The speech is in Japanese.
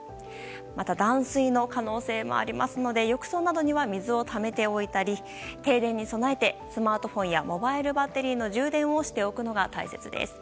また、断水の可能性もあるため浴槽などには水をためておいたり停電に備えて、スマートフォンやモバイルバッテリーの充電をしておくのが大切です。